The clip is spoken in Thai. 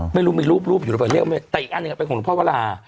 ไม่รู้มีรูปแต่อีกอันนี้เป็นของหลวงพ่อวรา